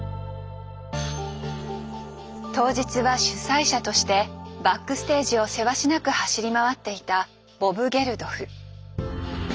当日は主催者としてバックステージをせわしなく走り回っていたボブ・ゲルドフ。